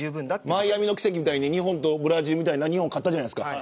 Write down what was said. マイアミの奇跡みたいに日本とブラジルで日本は勝ったじゃないですか。